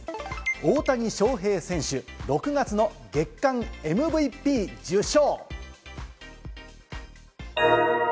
大谷翔平選手、６月の月間ＭＶＰ受賞。